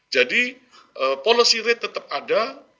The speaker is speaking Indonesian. jadi policy rate tetap ada